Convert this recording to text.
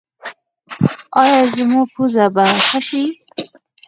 ایا زما پوزه به ښه شي؟